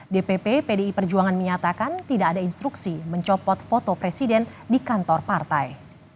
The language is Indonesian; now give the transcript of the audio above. dpp pdi perjuangan menyatakan tidak ada instruksi mencopot foto presiden di kantor partai